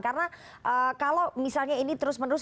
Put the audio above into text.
karena kalau misalnya ini terus menerus